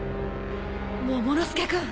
モモの助君